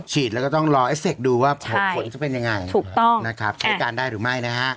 ฉีดแล้วก็ต้องรอเอสเซ็กดูว่าผลจะเป็นยังไงใช้การได้หรือไม่นะครับ